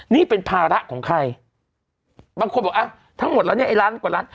นี่เป็นภาระของใครบางคนบอกอ่ะทั้งหมดแล้วเนี่ยไอ้ล้านกว่าล้าน